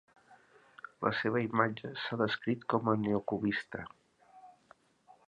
La seva imatge s'ha descrit com a "neo-cubista".